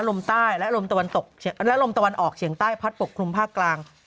ลมใต้และลมตะวันออกเฉียงใต้พัดปกคลุมภาคกลาง